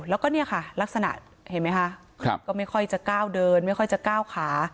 แล้วก็เนี่ยค่ะลักษณะเห็นไหมคะก็ไม่ค่อยจะก้าวเดินไม่ค่อยจะก้าวขา